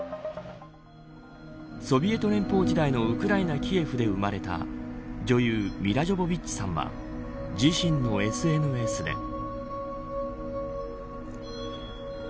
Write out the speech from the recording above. ソビエト連邦時代のウクライナ、キエフで生まれた女優ミラ・ジョヴォヴィッチさんは自身のＳＮＳで。